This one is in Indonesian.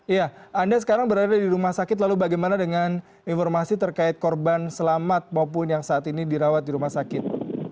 iya anda sekarang berada di rumah sakit lalu bagaimana dengan informasi terkait korban selamat maupun yang saat ini dirawat di rumah sakit